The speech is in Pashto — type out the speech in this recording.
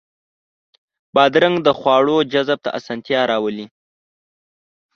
بادرنګ د خواړو جذب ته اسانتیا راولي.